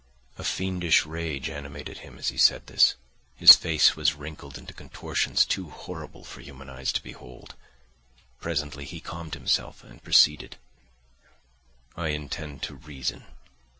A fiendish rage animated him as he said this; his face was wrinkled into contortions too horrible for human eyes to behold; but presently he calmed himself and proceeded— "I intended to reason.